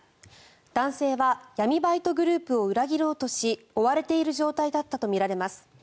男性は闇バイトグループを裏切ろうとし追われている状態だったとみられます。